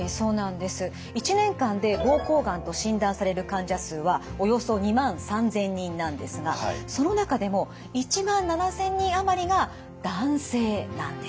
１年間で膀胱がんと診断される患者数はおよそ２万３，０００人なんですがその中でも１万７，０００人余りが男性なんです。